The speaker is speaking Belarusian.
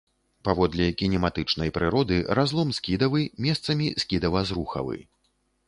Паводле кінематычнай прыроды разлом скідавы, месцамі скідава-зрухавы.